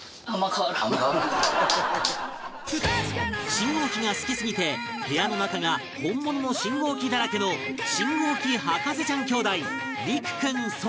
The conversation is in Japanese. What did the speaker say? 信号機が好きすぎて部屋の中が本物の信号機だらけの信号機博士ちゃん兄弟莉玖君蒼空君